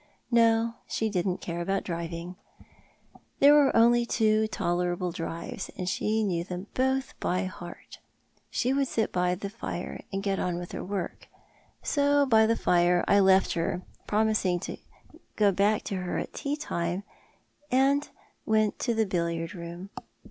No, she didn't care about driving. There were only two tolerable drives, and she knew them both by heart. She would sit by the fire and get on with her work. So by the fire I left her — promising ti) go back to her at tea time — and went to the billiard room.